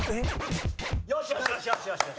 よしよしよしよし！